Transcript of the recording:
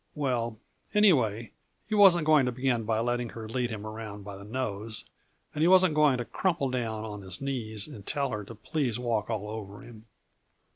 Well, anyway, he wasn't going to begin by letting her lead him around by the nose, and he wasn't going to crumple down on his knees and tell her to please walk all over him.